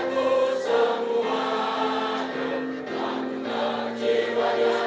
bersih merakyat kerja